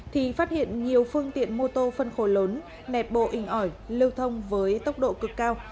thì phát hiện nhiều phương tiện mô tô phân khối lớn nẹp bộ inh ỏi lưu thông với tốc độ cực cao